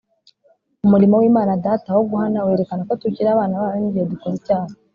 Umurimo w'Imana Data wo guhana werekana ko tukiri abana bayo n'igihe dukoze icyaha.